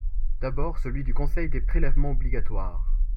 D’abord, celui du Conseil des prélèvements obligatoires.